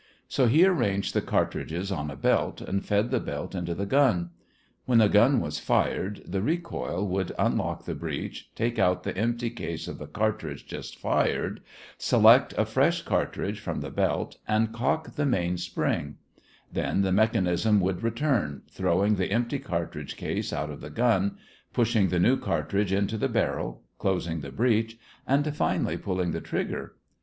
So he arranged the cartridges on a belt and fed the belt into the gun. When the gun was fired, the recoil would unlock the breech, take out the empty case of the cartridge just fired, select a fresh cartridge from the belt, and cock the main spring; then the mechanism would return, throwing the empty cartridge case out of the gun, pushing the new cartridge into the barrel, closing the breech, and finally pulling the trigger.